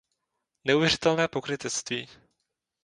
Neuvěřitelné pokrytectví.